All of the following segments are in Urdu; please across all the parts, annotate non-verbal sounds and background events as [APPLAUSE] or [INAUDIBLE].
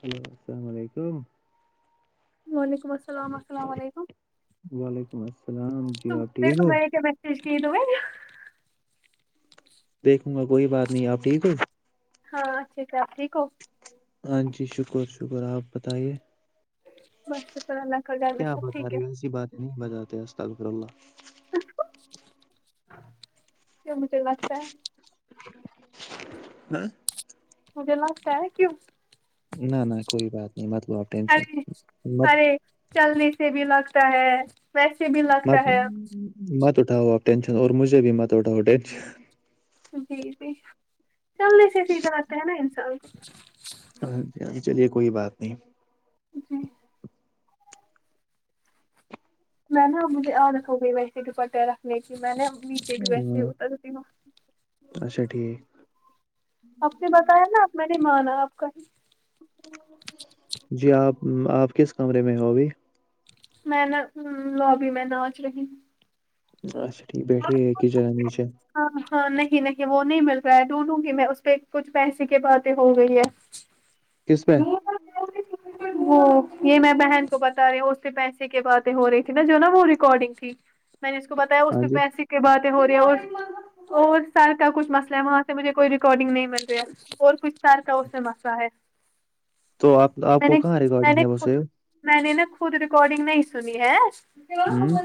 ہلو السلام علیکم وعلیکم السلام السلام علیکم وعلیکم السلام جی آپ ٹھیک ہو جش د میں دیکھوں گا کوئی بات نہیں آپ ٹھیک ہے ہاں اچھا اچا ٹھیک ہو ہاں جی شکر شکر آپ بتائیے بس شکر اللہ کر ڈ کیا سب بتا ٹھیک ہے رہی ہو ایسی باتیں نہیں بجات ت کرولہ کیا مجھے لگتا ہے ہ مجھے لگتا ہے کیوں نہ نہ کوئی بات نہیں متلو آپ ٹینشن ارے ارے چلنے سے بھی لگتا ہے ویسے بھی لگتا مت ہے مت اٹھاؤ آپ ٹینشن اور مجھے بھی مت اٹھاؤ ٹینشن جی جی چل ایسے سیدھے آاتتے ہیں نا انساء ہاں جی ہاں ج چلیے کوئی بات نہیں جی میں نا مجھے عادت ہو گئی ویسے دپٹے رکھنے کی میں نے نیچے بھی ویسے ہی ہاں، اترتی ہوں اچھا ٹھیک آپ نے بتایا نا آ میں نے مانا آپ کا ہی جی آپ آپ کس کمرے میں ہو ابھی میں نہا ہ لوبی میں ناچ رہی ہوں اچھا ٹھیک بیٹھے ایک جائے نچے ہاں ہاں نہیں نہیں وہ نہیں مل رہا ہے ڈھونڈوں گی میں اس پہ کچھ پیسے کی باتیں ہو گئی ہے کس میں [INAUDIBLE] وہ یہ میں بہن کو بتا رہی ہوں اس سے پیسے کی باتیں ہو رہی تھی نا جو نا وہ ریکارڈنگ تھی میں نے اس کو بتایا اس ہاں پہ جی پیسے کی باتیں ہو رہی اور اور سر کا کچھ مسئلہ وہاں سے مجھے کوئی ریکارڈنگ نہیں مل رہا اور کچھ سال کا اس سے مسہ ہے تو آپ آپ میں کو نے کہاں میں ریکارڈنگ نے ہے خود بسو میں نے نا خود ریکارڈنگ نہیں سنی ہے ہوں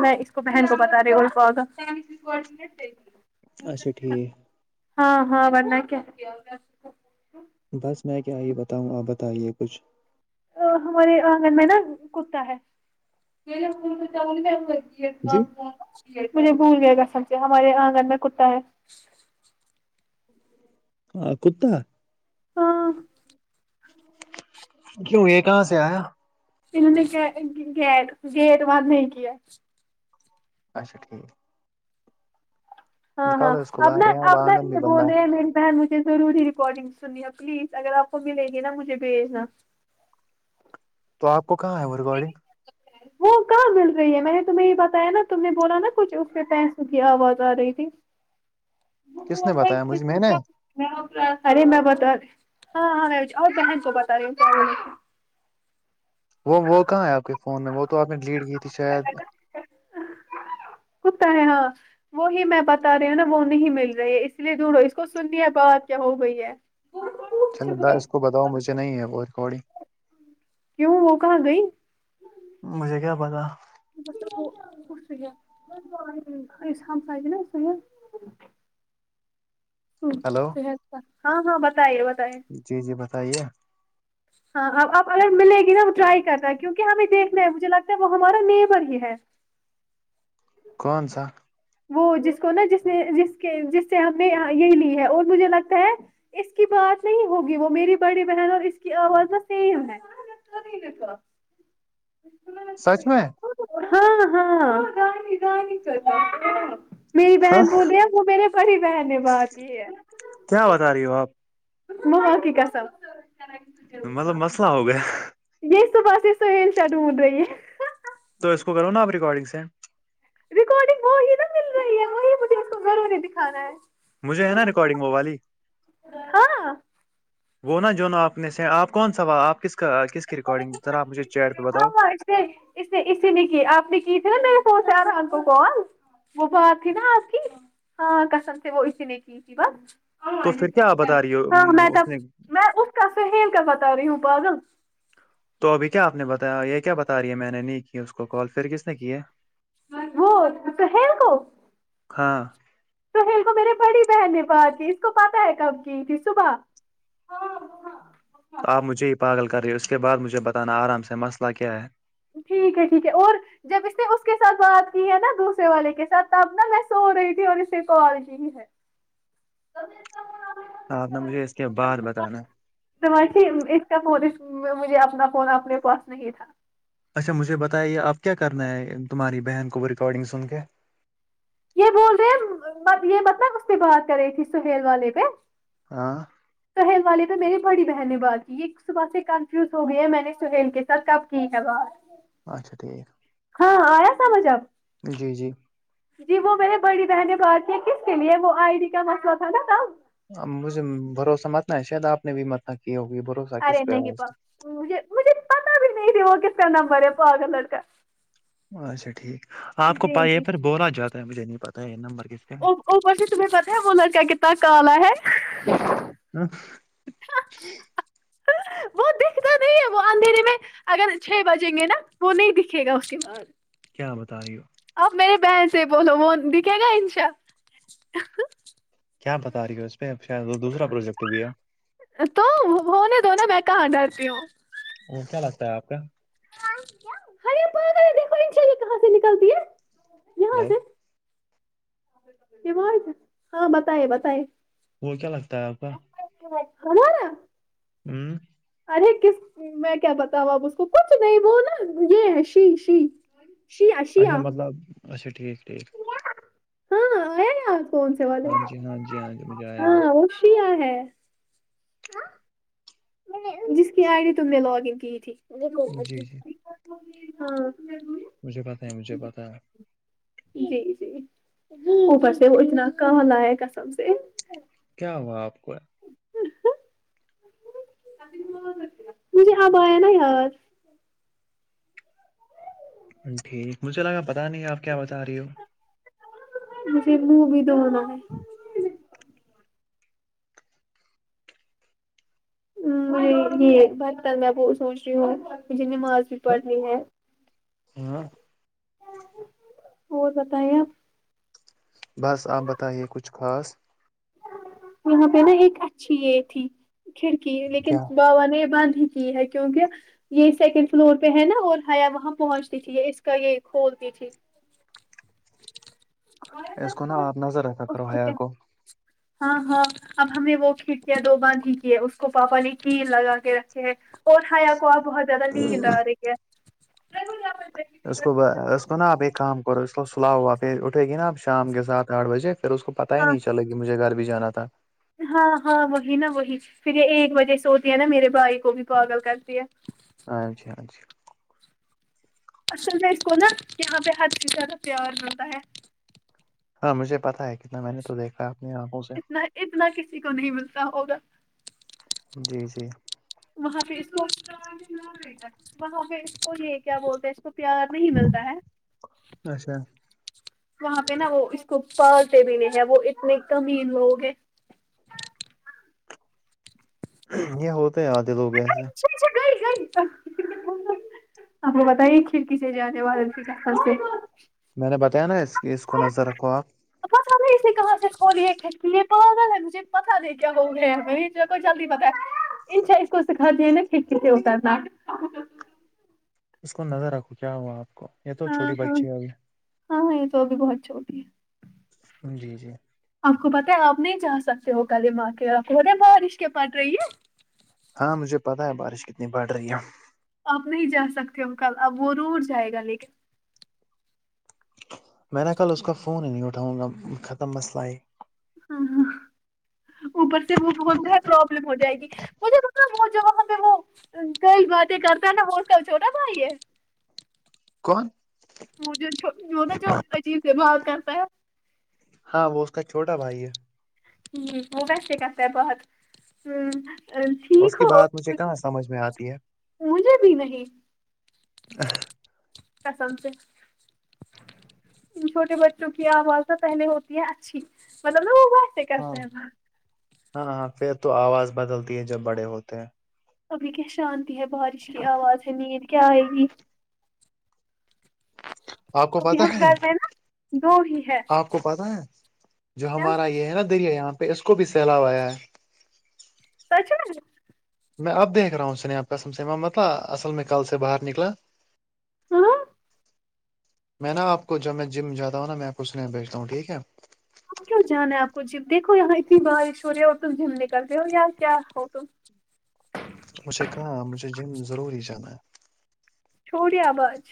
میں اس کو بہن کو بتا رہی ہ کو اچھا ٹھیک ہاں ہاں بنا کیا بس میں کیا یہ بتاؤں آپ بتائیے کچھ ہمارے آنگن میں نا کتا ہے جی مجھے بھول گیا گ سم سے ہمارے آنگن میں کتا ہے ہاں کتا ہاں کیوں یہ کہاں سے آیا انہوں نے کیا گیٹ گیٹ بد نہیں کیا اچھا ٹھیک ہاں ہاں نکالو اس کو ابنا باہر یہاں ابنا آنگن بھی یہ بول بندہ رہے ہیں میری بہن مجھے ضروری اکارڈنگ سن پلیز اگر آپ کو ملے گی نا مجھے بھیجنا تو آپ کو کہاں ہے وہ ریکارڈنگ [INAUDIBLE] کہاں مل رہی ہے میں نے تمہیں یہ بتایا نا تم نے بولا نا کچھ اس کے پیسوں کی آواز آ رہی تھی [INAUDIBLE] کس نے رہا ہے بتایا مجھے میں نے کہ ارے میں بتا رہی ہاں ہاں میں اور بہن کو بتا رہی ہوں وہ وہ کہاں ہے آپ کے فون میں وہ تو آپ نے ڈڈ کی تھی تی شاید کتا ہے ہاں وہی میں بتا رہی ہوں نا وہ نہیں مل رہی ہے اس لیے جڑو اس کو سننی ہے بات کیا ہو گئی ہے [UNINTELLIGIBLE] چلے د اس کو بتاؤ مجھے نہیں ہے وہ ریکارڈنگ کیوں وہ کہاں گئی مجھے کیا پتا [UNINTELLIGIBLE] ہلو ہا ہاں ہاں بتے بتے جی جی بتائیے ہاں اب آ اگر مل گی نا وہ ٹرائی کرتا ہے کیونکہ ہمیں دیکھنا ہے مجھے لگتا ہے وہ ہمارا نیبر ہی ہے [INAUDIBLE] کون سا وہ جس کو نا جس نے جس کے جس سے ہم نے یہی لی ہے اور مجھے لگتا ہے اس کی بات نہیں ہوگی وہ میری بڑی بہن اور اس آواز سیم ہے سچ میں ہاں ہاںانی دانی ک میری ہاں بہن بول رہی وہ میری بڑی بہن نے بات کی ہے کیا بتا رہی ہو آپ محا کی قسم مطلب مسئلہ ہو گیا یہ صبح یہ سوین شا ڈڈ رہی ہے تو اس کو کرو ن آپ ریکارڈنگ سینڈ ریکارڈنگ وہی نا مل رہی ہے وہی مجھے اس کو گرو نے دکھانا ہے مجھے ہے نا ریکارڈنگ وہ والی ہاں وہ نا جو نا آپ نے سے آپ کون ساا آپ کس کا کس کی ریکارڈنگ ر آپ مجھے چیٹ پہ بتاؤ ہاں اس اس اسی نے کی آپ نے کی تھی نا میں سوچا تھاا آپ کو کون [INAUDIBLE] وہ بات تھی نا آپ کی ہاں کسم تھے وہ اسی نے کی تھی بس تو پھر کیاپ بتا رہی ہے اس نے کسے ہی کر بتا رہی ہوں پاگل [INAUDIBLE] تو ابھی کیا آپ نے بتایا یہ کیا بتا رہی ہے میں نے نہیں کی اس کو کال پھر کس نے کی وہ توس گ [INAUDIBLE] ہاں توہل کو میرے بڑی بہن نے بات کی اس کو پہ ہے کب کی تھی صبح ہاں ہاں [INAUDIBLE] تو آپ مجھے پاگل کر رہی ہے اس کے بعد مجھے بتانا آرام سے مسئلہ کیا ہے ٹھیک ہے ٹھیک ہے اور جب اس نے اس کے ساتھ بات کی ہے نا دوسرے والے کے ساتھ تب نا میں سو رہی تھی اور اسے کال کی ہے آ آپ نے مجھے اس کے بعد بتانا سمچ اس کا فون اس مجھے اپنا فون اپنے پاس نہیں تھا [INAUDIBLE] اچھا مجھے بتائیے یہ آپ کیا کرنا ہے تمہاری بہن کو ریکارڈنگ سن کے یہ بول رہے ہیں یہ متلب اس پہ بات کر رہی تھی سہیل والے پہ ہاں سہل والے پہ میری بڑی بہن نے بات کی ایک صبح سے کنفیوز ہو گئی ہے میں نے سہیل کے سر کب ٹیک ہے بات [INAUDIBLE] اچھا ٹھیک ہاں آیا س مجھ آب [INAUDIBLE] جی جی جی وہ میے بڑی بہن ب تھ کس کے لیے وہ آئی ڈی کا منہ تھا ن تب [UNINTELLIGIBLE] مجھے بھروسہ متنا ہے شاید آپ نے بھی متنا کی ہوگی بھروسہ ارے کس پہ نہیں ہے اس پا مجھے پتا بھی نہیں تھی وہ کس طرح نام پے پ آگ لڑکا اچھا ٹھیک آپ کو جی پ یہ جی پھر بولا جاتا ہے مجھے نہیں پتاہ یہ نمبر کس کے اپی تمیں پتا ہے بولر کیا کتنا کالا ہے [INAUDIBLE] ہ [INAUDIBLE] [INAUDIBLE] وہ دکھتا نہیں ہے وہ اندھیرے میں اگر چھ بجیں گے نا وہ نہیں دکھے گا اس کے بعد کیا بتا رہی ہو اب میری بہن سے بولو م دکھے گا انشاء کیا بتا رہی ہے اس پہ شاید وہ دوسرا پروجیکٹ بھی ہے تو وہ نے دونوں بہکا ہڈاتی ہوں [UNINTELLIGIBLE] کیا لگتا ہے آپ کا ہر دیکھو چے کہاں سے نکلتی ہے یہاں ہلو سے [INAUDIBLE] آ ہاں بتائے بتائے [INAUDIBLE] وہ کیا لگتا ہے آپ کا ہان نا [INAUDIBLE] ہوں ارے کس میں کیا بتاؤ اب اس کو کچھ نہیں وہ نا یہ ہے شی شی شیعہ اچھا شیعہ مطلب اچھا ٹھیک ٹھیک ہاں آیا یاد کون سے والے ہاں جی ہاں جی ہاں جی مجھے آیا یاد۔ ہاں وہ شیا ہے جس کی آئی ڈی تم نے لاگ کی تھی جی جی ہاں مجھے پتاہ ہے مجھے پتاہ ہے جی جی اوپر سے وہ اتنا کہالئے گ سم سے کیا ہوا آپ کو مجھے اب آیا نا یار جی مجھے لگا پتا نہیں آپ کیا بتا رہی ہو مجھے منہ بھی دھ ہونا ہے ہ یہ بھر کرل میں ب سوچ رہی ہوں مج ج نماز ہاں پڑھنی ہے ہاں، اور بتائیں آپ بس آپ بتائیے کچھ خاص یہاں پہ نا ایک اچھی یہ تھی کھڑکی لیکن کیا باوان یہ بند ہی ہی ہے کیونکہ یہ سیکنڈ فلور پہ ہے نا اور ہیا وہاں پہنچتی تھی یہ اس کا یہ کھولتی تھی اس کو نا آپ نظر رکھا اس کرو حیا کیا کو ہاں ہاں اب ہم نے وہ کھنکیا دو باند بھیھی کی ہے اس کو پاپا نے کیل لگا کے رکھے ہے اور ہایا کو آ بہت زیادہ نیند آ رہی ہے اس کو اس کو نا آپ ایک کام کرو اس کو سلاؤ ہوا پھر اٹھے گی نا آپ شام کے سات آٹھ بجے پھر اس کو پتا ہی ہاں نہیں چلے گی مجھے گھر بھی جانا تھا ہاں ہاں وہی نا وہی پھر یہ ایک بجے سوتی ہے نا میرے بھائی کو بھی پاگل کرتی ہے ہاں جی ہاں جی اصل میں اس کو نا یہاں پہ ہر چز زیادہ پیار بڑتا ہے ہاں مجھے پتاہ ہے کتنا میں نے تو دیکھا ہے اپنی آنکھوں سے اتنا اتنا کسی کو نہیں ملتا اور جی جی وہاں پہ وہاں پہ اس کو یہ کیا بولتے ہیں اس کو پیار نہیں ملتا ہے اچھا وہاں پہ نا وہ اس کو پالتے بھی نہیں ہیں وہ اتنے کمین لوگ ہیں یہ ہوتے ہیں آدھے لگ ایسے گ آپ کو بتائیے کھڑکی سے جانے والادت سے کہ خاں سے میں نے بتایا نا اس کیس کو نظر رکھو آپ اپ س ے کہاں سے کھول کچنے پاگل ہے مجھے پتا نہیں کیا ہو گ ہے ہم بھی تیرے کو جلدی پتا ہے ان چز کو سکھا دے نا کہھ ک سے ہو کر ن اس کو نظر رکھو کیا ہوا آپ کو یہ تو ہاں چوٹی بچی ہے ابھی ہاں ہاں یہ تو اب بہت چھوٹی ہے جی جی آپ کو پتہ ہے آپ نہیں جا سکتے ہو ک دما کے آپ ہوتےے بارش کے پٹ رہی ہے ہاں مجھے پتا ہے بارش کتنی بڑھ رہی ہے آپ نہیں جا سکتے ہو کل اب وہ رور جائے گا لیکن میں نےا کل اس کا فون ہی نہیں اٹھاؤں گا ختم مسئلہ ہے ہاں ہاں اوپر سے وہ بولتا ہے پروابلم ہو جائے گی مجھے وہ جو ہمیں وہ کئی باتیں کرتا ہے نا ہو کل چھوٹا بھائی یہ [UNINTELLIGIBLE] کون وہ جو جو نا جو عجیب سے بات کرتا ہے ہاں وہ اس کا چھوٹا بھائی ہے وہ ویسے کرتا ہے بہت اس کی بات مجھے کہاں سمجھ میں آتی ہے مجھے بھی نہیں پسند سے چھوٹے بچوں کی آواز تو پہلے ہوتی ہے اچھی مطلب نہا وہ واسک ہاں ہاں ہاں پھر تو آواز بدلتی ہے جب بڑے ہوتے ہیں ابھی کیا شانتی ہے بارش کی آواز ہے نیند کیا آئے گی آپ کو کیکہ پتا ہم ہے گھر میں نا دو ہی ہے آپ کو پتا ہے جو کیا ہمارا یہ ہے نا دریا یہاں پہ اس کو بھی سیلاب آیا ہے تھی نا میں آپ دیکھ رہا ہوں سنی آپ کا سمسیما مت اصل میں کل سے باہر نکلا ہاں میں نا آپ کو جب میں جاتا ہوںا میں آپ اس لی بھیجتا ہوں ٹھیک ہے کیوں جانا ہے آپ کو جم دیکھو یہاں اتنی بارش ہو رہی ہے اور تم جم نکل رہے ہو یار کیا ہو تم مجھے کہاں مجھے جم ضروری جانا چھوڑی آواز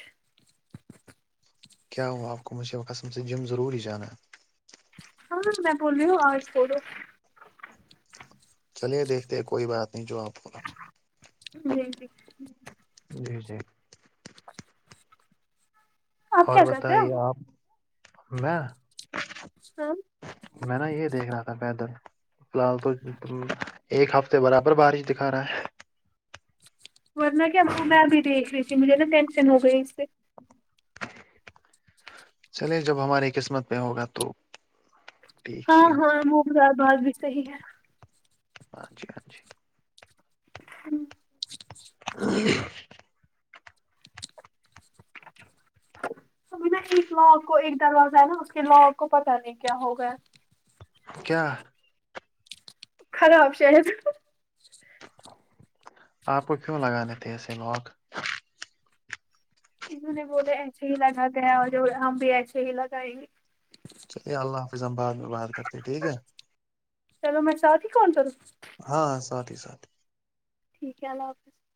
کیا ہوں آپ کو مجھ قسم سے جم ضروری ہی جانا میں بول رہ ہو آج پڑو چلیے دیکھتے کوئی بات نہیں جو آپ کو جی جی جی جی آپ اور کیا کر رہے ہو بتائیے آپ میں سم میں نا یہ دیکھ رہا تھا پیدل فی الحال تو ایک ہفتے برابر بارش دکھا رہا ہے ورنہ کیا میں بھی دیکھ رہی تھی مجھے نا ٹینشن ہو گئی اس سے چلے جب ہماری قسمت پہ ہوگا تو ٹھیک ہاں ہے ہاں وہزار بعار بھی صحیح ہے پانچانچھ ہوں اور [UNINTELLIGIBLE] اب نا ایک لا آ کو ایک دروازہ ہے نا اس کے لا آ کو پتہ نہیں کیا ہوگا کیا خراب آپشن آپ کو کیوں لگانے تھے اسے لاک انہوں نے بولے اچھے ہی لگا گیا اور ہم بھی اچھے ہی لگائیںے چلیے اللہ حافظ ہم بعد میں بات کرتے ٹھیک ہے چلو میں ساؤ کی کون کروں ہاں ساتھی ساتھی ٹھیک ہے اللہ حافظ